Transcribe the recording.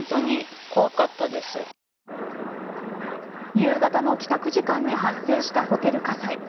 夕方の帰宅時間に発生したホテル火災。